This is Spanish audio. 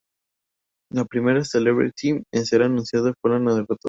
La primera celebrity en ser anunciada fue la nadadora sincronizada Gemma Mengual.